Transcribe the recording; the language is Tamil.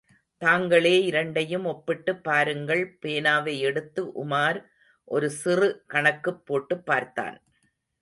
தாங்களே இரண்டையும் ஒப்பிட்டுப் பாருங்கள். பேனாவை எடுத்து உமார் ஒரு சிறு கணக்குப் போட்டுப்பார்த்தான்.